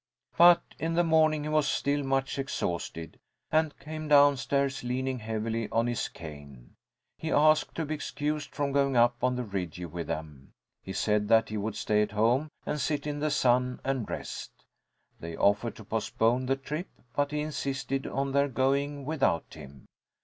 But in the morning he was still much exhausted, and came down stairs leaning heavily on his cane. He asked to be excused from going up on the Rigi with them. He said that he would stay at home and sit in the sun and rest. They offered to postpone the trip, but he insisted on their going without him.